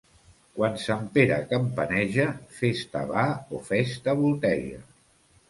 Quan Sant Pere campaneja, festa va o festa volteja.